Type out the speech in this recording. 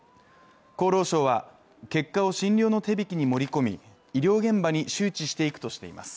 厚労省は結果を診療の手引に盛り込み、医療現場に周知していくとしています。